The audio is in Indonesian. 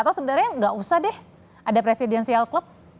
atau sebenarnya nggak usah deh ada presidensial club